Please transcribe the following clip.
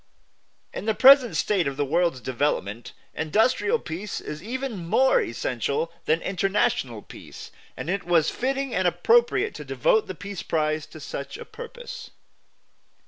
In the present state of the world's development industrial peace is even more essential than international peace; and it was fitting and appropriate to devote the peace prize to such a purpose.